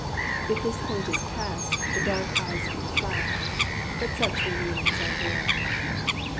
If this point is passed, the dark eyes can flash. But such revealings are rare.